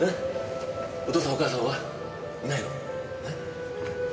お父さんお母さんは？いないの？